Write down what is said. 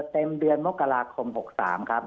เดือนมกราคม๖๓ครับ